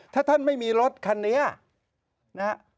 ถ้าท่านไม่มีรถคันนี้นะฮะ